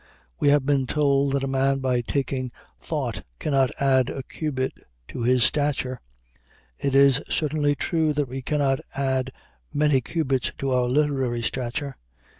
We have been told that a man by taking thought cannot add a cubit to his stature. It is certainly true that we cannot add many cubits to our literary stature.